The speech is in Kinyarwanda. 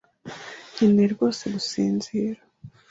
Nkeneye rwose gusinzira.